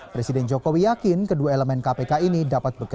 presiden jokowi yakin kedua elemen kpk ini dapat bekerja